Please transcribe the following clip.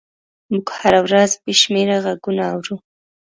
موږ هره ورځ بې شمېره غږونه اورو.